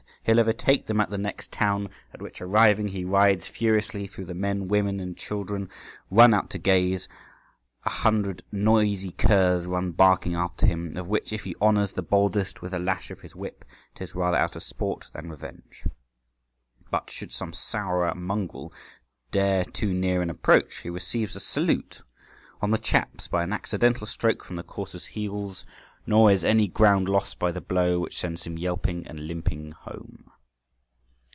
He'll overtake them at the next town, at which arriving, he rides furiously through, the men, women, and children run out to gaze, a hundred noisy curs run barking after him, of which, if he honours the boldest with a lash of his whip, it is rather out of sport than revenge. But should some sourer mongrel dare too near an approach, he receives a salute on the chaps by an accidental stroke from the courser's heels, nor is any ground lost by the blow, which sends him yelping and limping home.